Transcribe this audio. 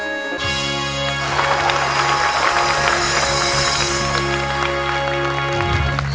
เวอร์